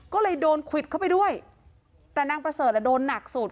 ก็เลยโดนควิดเข้าไปด้วยแต่นางประเสริฐอ่ะโดนหนักสุด